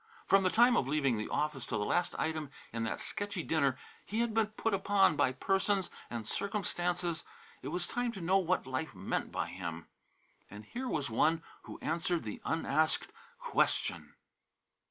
From the time of leaving the office to the last item in that sketchy dinner, he had been put upon by persons and circumstances. It was time to know what life meant by him. And here was one who answered the unasked question!